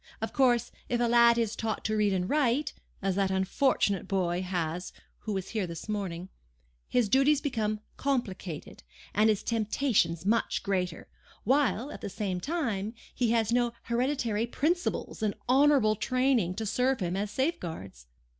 Of course, if a lad is taught to read and write (as that unfortunate boy has been who was here this morning) his duties become complicated, and his temptations much greater, while, at the same time, he has no hereditary principles and honourable training to serve as safeguards.